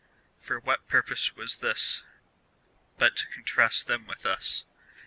For what purpose was this, but to con trast them with us ?